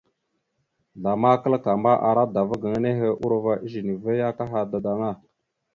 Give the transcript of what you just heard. Zlama kǝlakamba, ara dava gaŋa nehe urova ezine va ya akaha dadaŋa.